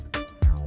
ya udah aku tunggu